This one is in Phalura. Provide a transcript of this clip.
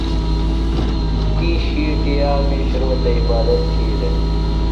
تی ݜِیٹی آک مِیش روتہ عبادت تھی دےۡ۔